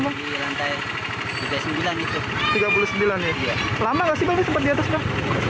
lama nggak sih pak sempat di atasnya